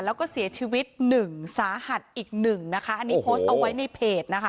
แล้วก็เสียชีวิตหนึ่งสาหัสอีกหนึ่งนะคะอันนี้โพสต์เอาไว้ในเพจนะคะ